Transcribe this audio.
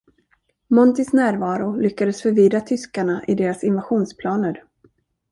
”Montys” närvaro lyckades förvirra tyskarna i deras invasionsplaner.